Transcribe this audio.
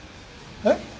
えっ？